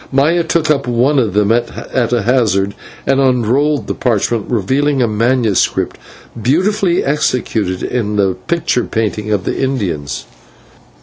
Maya took up one of them at a hazard and unrolled the parchment, revealing a manuscript beautifully executed in the picture painting of the Indians.